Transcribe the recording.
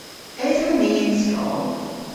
Eson ni y'n skol?